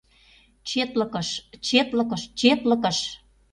Четлыкыш, четлыкыш, четлыкыш!